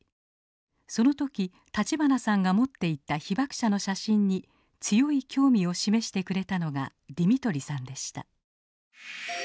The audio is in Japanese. その時立花さんが持っていった被爆者の写真に強い興味を示してくれたのがディミトリさんでした。